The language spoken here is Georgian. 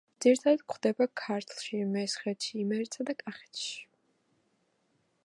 ძირითადად გვხვდება ქართლში, მესხეთში, იმერეთსა და კახეთში.